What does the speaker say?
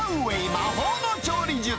魔法の調理術！